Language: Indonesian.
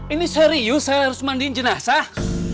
ini serius saya harus mandiin jenazah